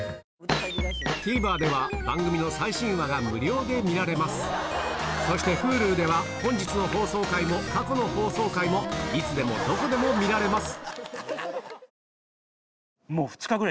ＴＶｅｒでは番組の最新話が無料で見られますそしてＨｕｌｕでは本日の放送回も過去の放送回もいつでもどこでも見られます